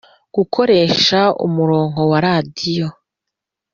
Gukoresha umurongo wa radiyo